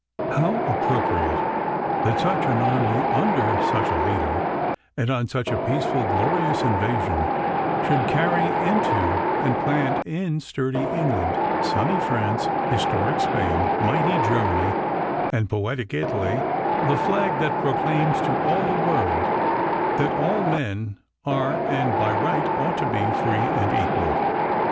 ] How appropriate that such an army, under such a leader, and on such a peaceful and glorious invasion, should carry into and plant in sturdy England, sunny France, historic Spain, mighty Germany, and poetic Italy the flag that proclaims to all the world that "all men are, and by right ought to be, free and equal."